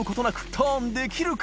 ターンできるか？